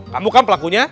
kamu kan pelakunya